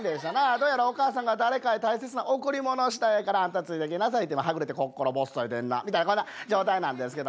どうやらお母さんが誰かへ大切な贈り物をしたいからあんたついてきなさいってはぐれてこっころぼっそいでんなみたいなこんな状態なんですけども。